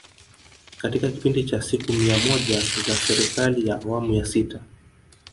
Katika kipindi cha siku mia moja za Serikali ya Awamu ya Sita